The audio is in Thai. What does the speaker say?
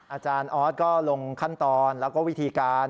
อาจารย์ออสก็ลงขั้นตอนแล้วก็วิธีการ